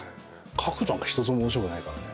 書くのなんか一つも面白くないからね。